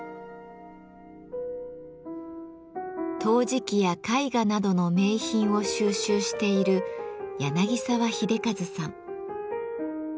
陶磁器や絵画などの名品を収集している澤秀和さん。